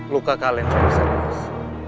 luka kalian sudah bisa lulus